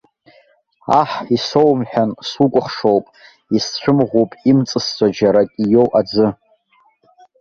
Аҳ, исоумҳәан, сукәыхшоуп, исцәымӷуп имҵысӡо џьарак ииоу аӡы.